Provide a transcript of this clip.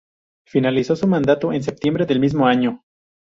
Finalizó su mandato en septiembre del mismo año.